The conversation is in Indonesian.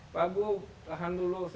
pak gua tahan dulu